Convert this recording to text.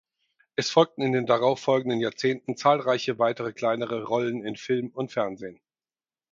Es folgten in den darauffolgenden Jahrzehnten zahlreiche weitere kleinere Rollen in Film und Fernsehen.